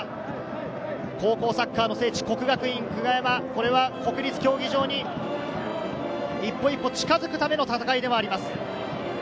高校サッカーの聖地、國學院久我山、これは国立競技場に一歩一歩、近づくための戦いでもあります。